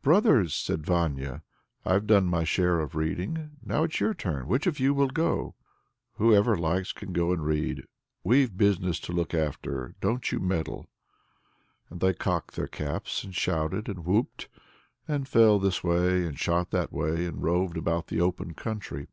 "Brothers!" said Vanya, "I've done my share of reading. It's your turn now; which of you will go?" "Whoever likes can go and read. We've business to look after; don't you meddle." And they cocked their caps, and shouted, and whooped, and flew this way, and shot that way, and roved about the open country.